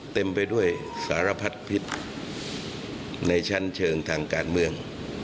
เต็มไปด้วยสารพัดพิษในชั้นเชิงทางการเมือง